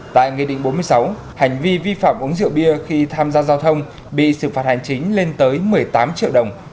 tại nghị định bốn mươi sáu hành vi vi phạm uống rượu bia khi tham gia giao thông bị xử phạt hành chính lên tới một mươi tám triệu đồng